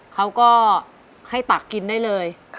เขาก็ให้ตักกินได้เลย